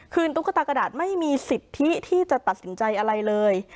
ตุ๊กตากระดาษไม่มีสิทธิที่จะตัดสินใจอะไรเลย